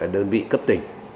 đơn vị cấp tỉnh